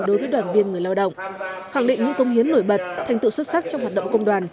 đối với đoàn viên người lao động khẳng định những công hiến nổi bật thành tựu xuất sắc trong hoạt động công đoàn